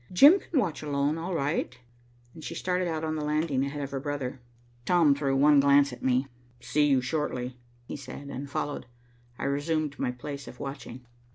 "Jim can watch alone, all right," and she started out on the landing ahead of her brother. Tom threw one glance at me. "See you shortly," he said, and followed. I resumed my place of watching.